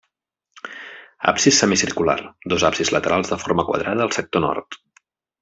Absis semicircular; dos absis laterals de forma quadrada al sector nord.